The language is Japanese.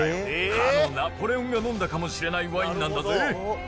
かのナポレオンが飲んだかもしれないワインなんだぜ。